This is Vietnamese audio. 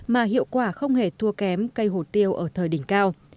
mà hiệu quả không hề thua kém cây hồ tiêu ở thời đỉnh cao